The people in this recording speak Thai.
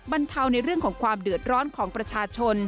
บรรเทาในเรื่องของความเดือดร้อนของประชาชน